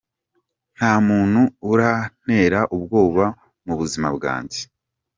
Nta muntu urantera ubwoba mu buzima bwanjye.